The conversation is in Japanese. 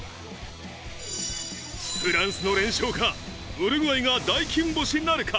フランスの連勝か、ウルグアイが大金星なるか。